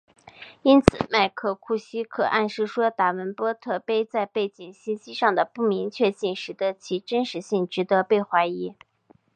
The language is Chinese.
因此麦克库西克暗示说达文波特碑在背景信息上的不明确性使得其真实性值得被怀疑。